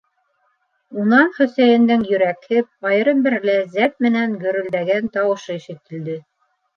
Унан Хөсәйендең йөрәкһеп, айырым бер ләззәт менән гөрөлдәгән тауышы ишетелде: